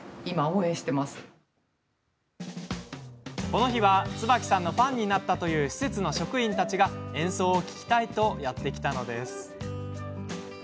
この日は、椿さんのファンになったという施設の職員たちが演奏を聴きたいとやって来たのです。